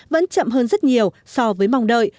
vẫn chậm hơn rất nhiều so với mong đợi